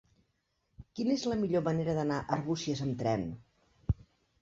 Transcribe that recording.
Quina és la millor manera d'anar a Arbúcies amb tren?